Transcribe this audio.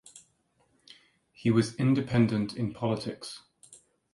He was independent in politics.